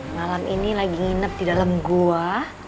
malam ini lagi nginep di dalam gua